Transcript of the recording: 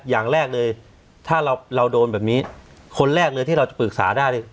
อย่างแรกเลยถ้าเราโดนแบบนี้คนแรกเลยที่เราจะปรึกษาได้